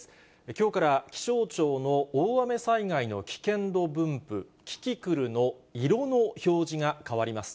きょうから気象庁の大雨災害の危険度分布、キキクルの色の表示が変わります。